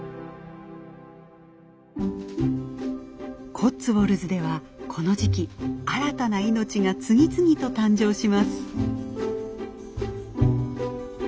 コッツウォルズではこの時期新たな命が次々と誕生します。